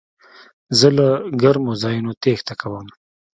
زه له ګرمو ځایونو تېښته کوم.